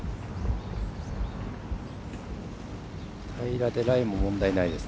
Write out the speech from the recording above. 平らでライも問題ないです。